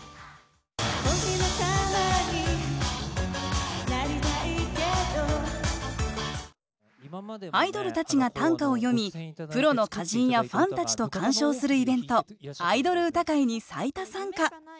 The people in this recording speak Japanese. お姫様になりたいけどアイドルたちが短歌を詠みプロの歌人やファンたちと鑑賞するイベントアイドル歌会に最多参加。